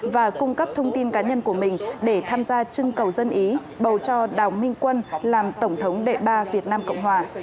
và cung cấp thông tin cá nhân của mình để tham gia trưng cầu dân ý bầu cho đào minh quân làm tổng thống đệ ba việt nam cộng hòa